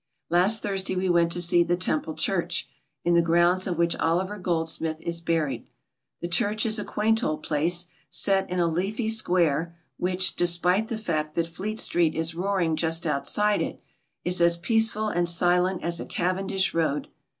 Last Thursday we went to see the Temple Church, in the grounds of which Oliver Goldsmith is buried. The church is a quaint old place, set in a leafy square which, despite the fiKt that Fleet Street is roaring just outside it, is as peaceful and silent as a Cavendish road.